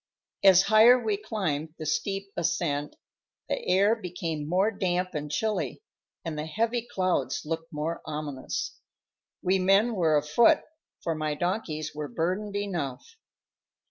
As higher we climbed the steep ascent, the air became more damp and chilly, and the heavy clouds looked more ominous. We men were afoot, for my donkeys were burdened enough.